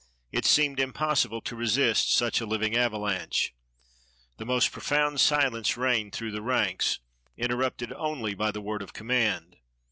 It seemed impossible to resist such a living avalanche. The most profound silence reigned through the ranks, interrupted only by the word of command.